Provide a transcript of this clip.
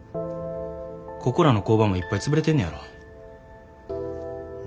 ここらの工場もいっぱい潰れてんねやろ？